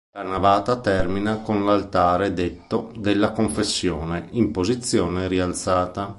La navata termina con l'altare detto "della confessione", in posizione rialzata.